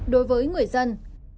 đối với người dân